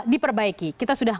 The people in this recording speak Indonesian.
diperbaiki kita sudah